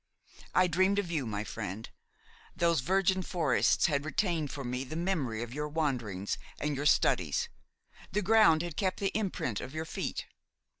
I dreamed of you, my friend; those virgin forests had retained for me the memory of your wanderings and your studies, the ground had kept the imprint of your feet.